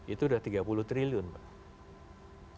itu sudah tiga puluh triliun pak